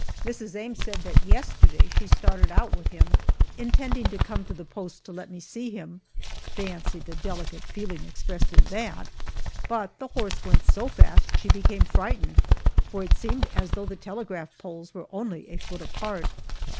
Mrs. Ames said that yesterday she started out with him, intending to come to the post to let me see him fancy the delicate feeling expressed in that but the horse went so fast she became frightened, for it seemed as though the telegraph poles were only a foot apart.